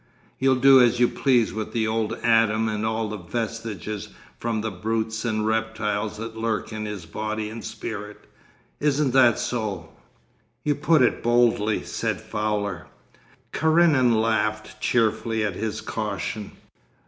You'll do as you please with the old Adam and all the vestiges from the brutes and reptiles that lurk in his body and spirit. Isn't that so?' 'You put it boldly,' said Fowler. Karenin laughed cheerfully at his caution....